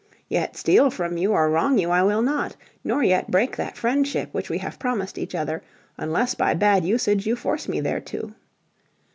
Yet steal from you or wrong you I will not, nor yet break that friendship which we have promised each other, unless by bad usage you force me thereto."